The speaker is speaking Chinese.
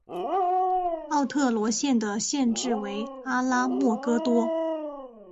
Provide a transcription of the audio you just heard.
奥特罗县的县治为阿拉莫戈多。